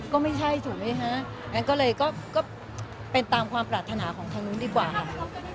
ก็ไม่ใช่ถูกด้วยฮะอันก็เลยเป็นตามความปรรถนาของธนุนดีกว่าครับ